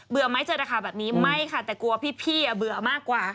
เบื่อไหมเจอตะขาแบบนี้ไม่ค่ะแต่กลัวพี่อะเบื่อมากกว่า